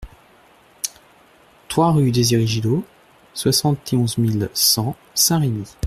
trois rue Desire Gilot, soixante et onze mille cent Saint-Rémy